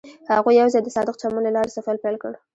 هغوی یوځای د صادق چمن له لارې سفر پیل کړ.